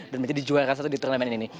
dan menjadi juara satu di turnamen ini